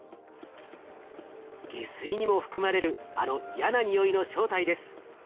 下水にも含まれるあの嫌なにおいの正体です。